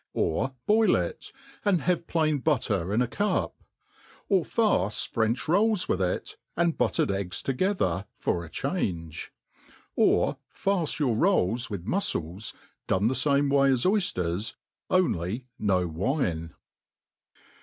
Or boil it, and have plain butter in a cup. Or farce French rolls with it, and buttered eggs together, for change. Or farce your rolls with mufcles^ done the faoip Way as oyfterS| only no wine.